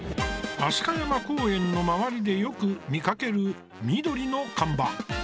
飛鳥山公園の周りでよく見かける緑の看板。